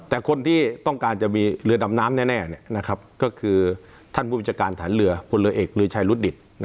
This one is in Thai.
แต่คนที่ต้องการจะมีเรือดำน้ำแน่ก็คือท่านผู้บัญชาการฐานเรือพลเรือเอกลือชัยรุดดิต